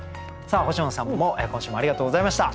星野さんも今週もありがとうございました。